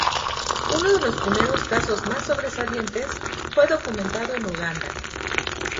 Uno de los primeros casos más sobresalientes, fue documentado en Uganda.